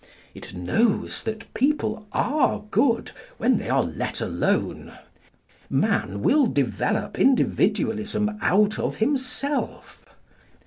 It knows that people are good when they are let alone. Man will develop Individualism out of himself.